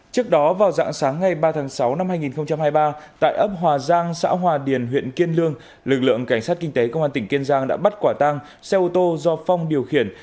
trước đó vào dạng sáng ngày ba tháng sáu năm hai nghìn hai mươi ba tại ấp hòa giang xã hòa điền huyện kiên lương lực lượng cảnh sát kinh tế công an tỉnh kiên giang đã bắt quả tang xe ô tô do phong điều khiển